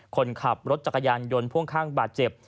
คนขับรถจักรยานยนต์พ่วงข้างบาดเจ็บ